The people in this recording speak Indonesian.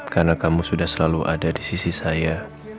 karena kamu sudah selalu ada di sisi saya